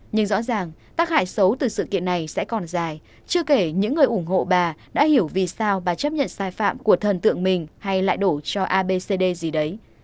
nhưng rõ ràng tác hại xấu từ sự kiện này sẽ còn dài chưa kể những người ủng hộ bà đã hiểu vì sao bà chấp nhận sai phạm của thần tượng mình hay lại đổ cho abcd gì đấy